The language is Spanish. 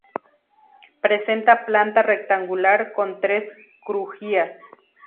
Presenta planta rectangular con tres crujías.